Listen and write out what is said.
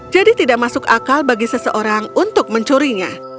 jadi tidak masuk akal bagi seseorang untuk mencurinya